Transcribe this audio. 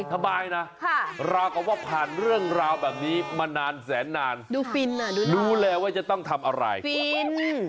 สบายนะราวกับว่าผ่านเรื่องราวแบบนี้มานานแสนนานดูฟินดูแลว่าจะต้องทำอะไรฟิน